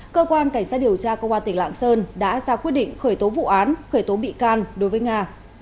cơ quan cảnh sát điều tra công an tỉnh lạng sơn đã ra quyết định khởi tố vụ án khởi tố bị can đối với nga